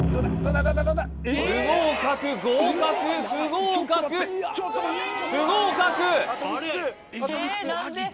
不合格合格不合格不合格！